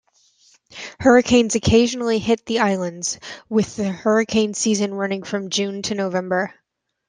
Hurricanes occasionally hit the islands, with the hurricane season running from June to November.